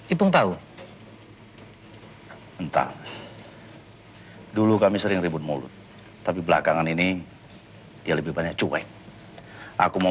ipung tahu entah dulu kami sering ribut mulut tapi belakangan ini ya lebih banyak cuek aku mau